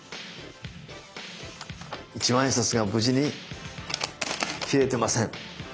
一万円札が無事に切れてません！